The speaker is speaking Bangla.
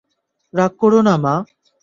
রাগ করো না, মা!